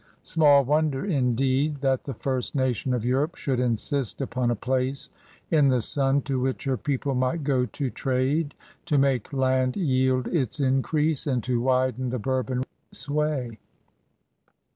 Small wonder, indeed, that the first nation of Europe should insist upon a place in the sun to which her people might go to trade, to make land yield its increase, and to widen the Bourbon sway.